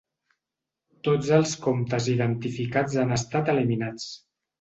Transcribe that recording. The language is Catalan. Tots els comptes identificats han estat eliminats.